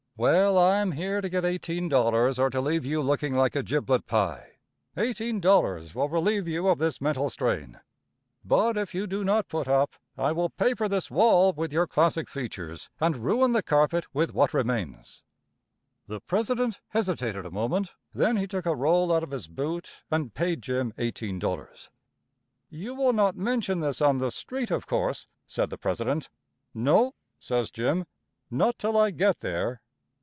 "Well, I am here to get $18 or to leave you looking like a giblet pie. Eighteen dollars will relieve you of this mental strain, but if you do not put up I will paper this wall with your classic features and ruin the carpet with what remains." The president hesitated a moment. Then he took a roll out of his boot and paid Jim eighteen dollars. "You will not mention this on the street, of course," said the president. "No," says Jim, "not till I get there."